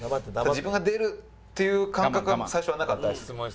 ただ自分が出るっていう感覚は最初はなかったです。